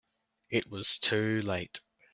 It was too late.